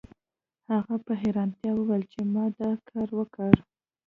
هغه په حیرانتیا وویل چې ما دا کار وکړ